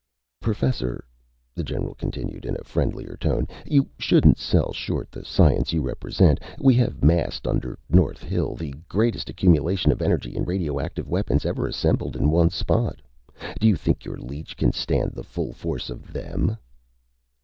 _ "Professor," the general continued, in a friendlier tone, "you shouldn't sell short the science you represent. We have, massed under North Hill, the greatest accumulation of energy and radioactive weapons ever assembled in one spot. Do you think your leech can stand the full force of them?"